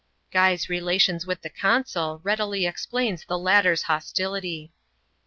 Guy's relations with the consul readily explains the latter's hostility.